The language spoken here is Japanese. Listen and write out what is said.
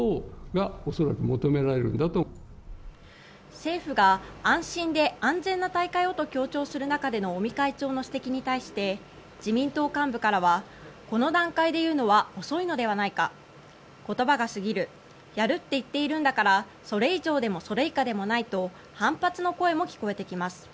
政府が安心で安全な大会をと強調する中での尾身会長の指摘に対して自民党幹部からはこの段階で言うのは遅いのではないか言葉が過ぎるやるって言っているんだからそれ以上でもそれ以下でもないと反発の声も聞こえてきます。